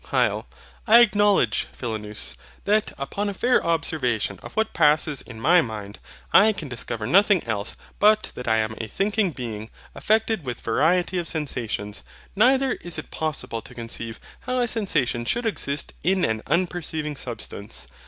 HYL. I acknowledge, Philonous, that, upon a fair observation of what passes in my mind, I can discover nothing else but that I am a thinking being, affected with variety of sensations; neither is it possible to conceive how a sensation should exist in an unperceiving substance.